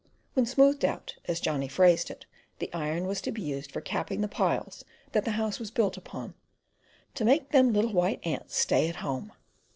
When "smoothed out," as Johnny phrased it, the iron was to be used for capping the piles that the house was built upon, "to make them little white ants stay at home."